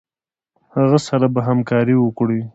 هغه سره به همکاري وکړي.